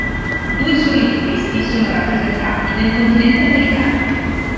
Due soli di questi sono rappresentati nel continente americano.